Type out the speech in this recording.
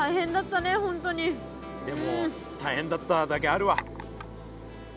でも大変だっただけあるわ。